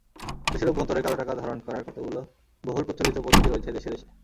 দেশের অভ্যন্তরে কালোটাকা ধারণ করার কতগুলো বহুল প্রচলিত পদ্ধতি রয়েছে দেশে দেশে।